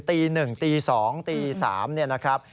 ตี๑ตี๒ตี๓นะครับ